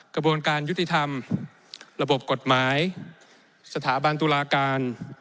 กระบวนการยุติธรรมระบบกฎหมายสถาบันตุลาการ